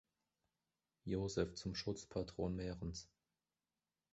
Josef zum Schutzpatron Mährens.